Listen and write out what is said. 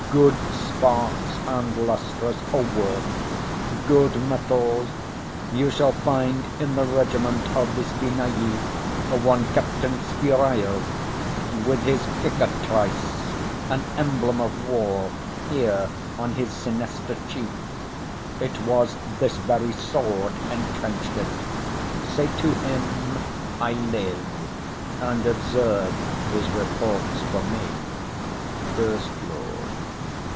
Good sparks and lustrous, a word, good metals. You shall find in the regiment of the Spinii one Captain Spurio, with his cicatrice, an emblem of war, here on his sinister cheek; it was this very sword entrench'd it. Say to him I live; and observe his reports for me. FIRST LORD.